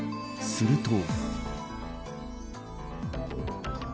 すると。